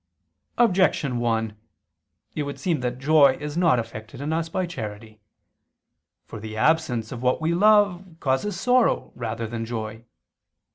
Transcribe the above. Objection 1: It would seem that joy is not effected in us by charity. For the absence of what we love causes sorrow rather than joy.